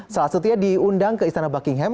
salah setia diundang ke istana buckingham